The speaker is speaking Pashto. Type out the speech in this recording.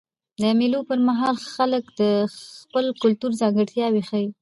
د مېلو پر مهال خلک د خپل کلتور ځانګړتیاوي ښیي.